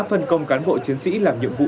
phân công cán bộ chiến sĩ làm nhiệm vụ